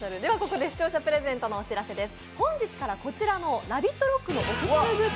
では視聴者プレゼントのお知らせです。